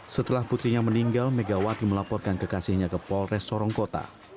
setelah putrinya meninggal megawati melaporkan kekasihnya ke polres sorongkota